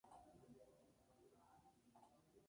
Es la obra de Palau que ha sido editada en más ocasiones.